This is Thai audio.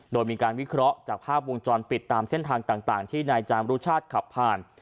โดยมีการวิเคราะห์จากภาพวงจรปิดตามเส้นทางต่างที่นายจามรุชาติขับผ่าน